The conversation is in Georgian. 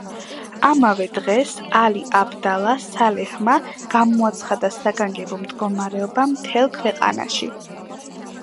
ამავე დღეს ალი აბდალა სალეჰმა გამოაცხადა საგანგებო მდგომარეობა მთელ ქვეყანაში.